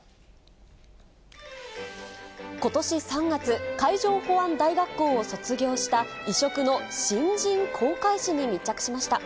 ことし３月、海上保安大学校を卒業した異色の新人航海士に密着しました。